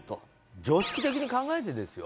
常識的に考えてですよ